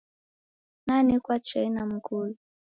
Nanekwa chai na mgulu.